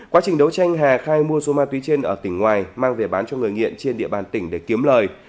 quá trình đấu tranh hà khai mua số ma túy trên ở tỉnh ngoài mang về bán cho người nghiện trên địa bàn tỉnh để kiếm lời